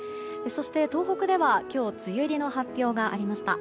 そして、東北では今日梅雨入りの発表がありました。